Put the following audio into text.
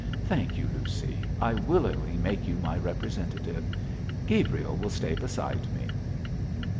'Thank you, Lucy, I willingly make you my representative. Gabriel will stay beside me.'